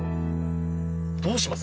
どうします？